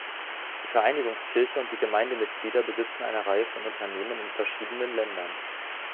Die Vereinigungskirche und die Gemeindemitglieder besitzen eine Reihe von Unternehmen in verschiedenen Ländern.